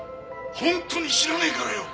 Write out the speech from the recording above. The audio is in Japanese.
本当に知らねえからよ！